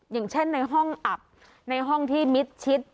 อย่างเช่นในห้องอับในห้องที่มิดชิด